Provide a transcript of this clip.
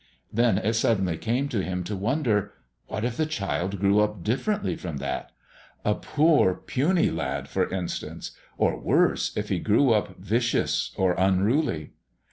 Then it suddenly came to him to wonder what if the child grew up differently from that a poor, puny lad, for instance or, worse, if he grew up vicious or unruly?